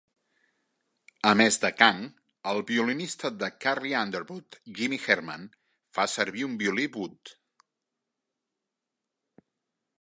A més de Kang, el violinista de Carrie Underwood, Jimmy Herman fa servir un Violí Wood.